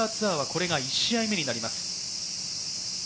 これが１試合目になります。